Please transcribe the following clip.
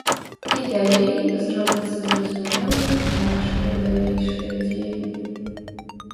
І далей зробяцца зразумелымі нашыя далейшыя дзеянні.